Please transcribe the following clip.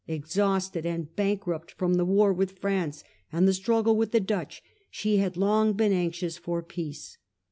Exhausted and bankrupt from the war with France and the struggle with the Dutch, she had long been anxious for peace.